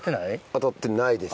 当たってないです。